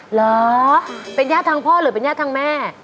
เหรอเป็นญาติทางพ่อหรือเป็นญาติทางแม่